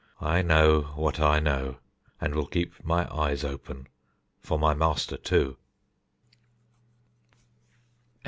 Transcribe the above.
I know what I know, and will keep my eyes open, for my master too."